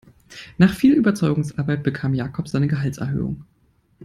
Nach viel Überzeugungsarbeit bekam Jakob seine Gehaltserhöhung.